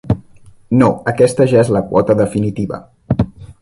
No, aquesta ja és la quota definitiva.